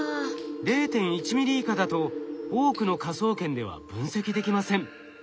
０．１ミリ以下だと多くの科捜研では分析できません。